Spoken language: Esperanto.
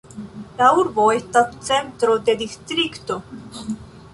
La urbo estas centro de distrikto.